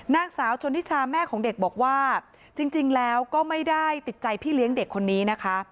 นางสาวชนทิชาแม่ของเด็กบอกว่าจริงแล้วก็ไม่ได้ติดใจพี่เลี้ยงเด็กคนนี้นะคะ